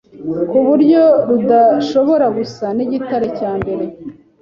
kuburyo rudashobora gusa nigitare cyambere